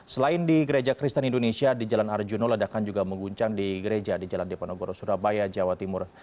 selain di gereja kristen indonesia di jalan arjuna ledakan juga mengguncang di gereja di jalan diponegoro surabaya jawa timur